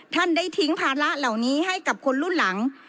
ท่านได้ทิ้งภาระเหล่านี้ให้กับคนรุ่นหลัง